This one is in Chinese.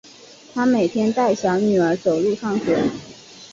她每天带小女儿走路上学